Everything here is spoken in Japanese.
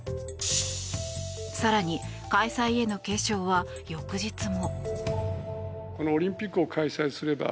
更に、開催への警鐘は翌日も。